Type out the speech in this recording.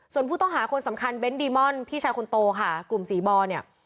ส่วนผู้ต้องหาคนสำคัญเบ้นดีมอนพี่ชายคนโตค่ะกลุ่มสีบอลเนี่ย